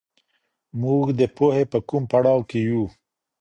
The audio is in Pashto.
موږ د پوهي په کوم پړاو کي يو؟